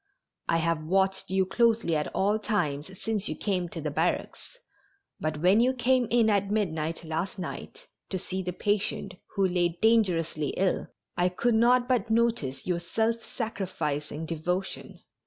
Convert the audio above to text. I have watched you closely at all times since you came to the barracks, but when you came in at midnight last night to see the patient who lay dangerously ill I could not but notice your self sacrificing devotion.